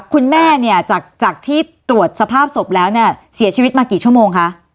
คุณแม่เนี่ยจากที่ตรวจสภาพศพแล้วเนี่ยเสียชีวิตมากี่ชั่วโมงคะ